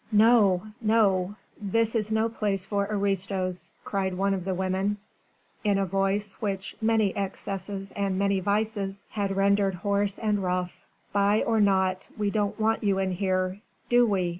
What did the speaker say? "No! No! This is no place for aristos," cried one of the women in a voice which many excesses and many vices had rendered hoarse and rough. "Spy or not, we don't want you in here. Do we?"